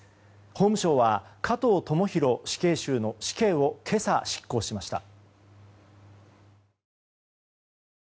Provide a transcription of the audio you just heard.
法務省は加藤智大死刑囚の死刑を今朝、執行しました。